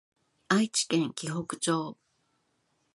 愛媛県鬼北町